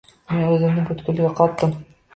Men o`zimni butkul yo`qotib qo`ydim